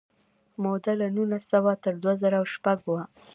موده له نولس سوه تر دوه زره شپږ وه.